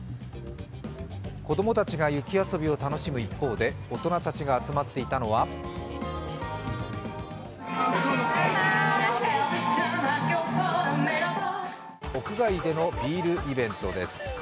子供たちが雪遊びを楽しむ一方で大人たちが集まっていたのは屋外でのビールイベントです。